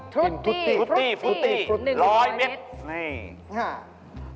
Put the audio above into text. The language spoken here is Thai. คือพุตตี้๑๐๐เมตร